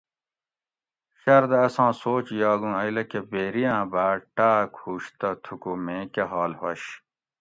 شٞردہ اساں سوچ یاگُوں ائ لٞکہ بیری آۤں باٞ ٹاٞک ہُوش تہ تھُکو میں کٞہ حال ہُوَش